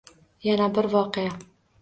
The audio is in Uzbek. Yana bir voqea.